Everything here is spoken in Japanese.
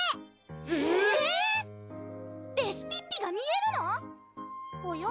えぇ⁉レシピッピが見えるの⁉ほよ？